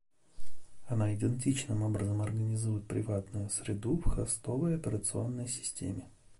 Она идентичным образом организует приватную среду в хостовой операционной системе